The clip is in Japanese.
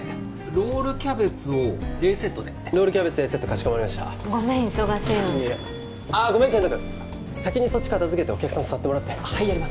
ロールキャベツをＡセットでロールキャベツＡセットかしこまりましたごめん忙しいのにいやあっごめん健人君先にそっち片付けてお客さん座ってもらってはいやります